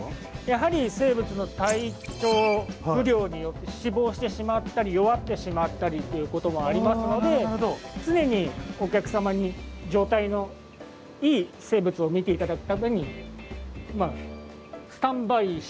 やはり生物の体調不良によって死亡してしまったり弱ってしまったりということもありますので常にお客様に状態のいい生物を見て頂くためにスタンバイしてる生物ということになります。